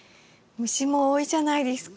虫も多いじゃないですか。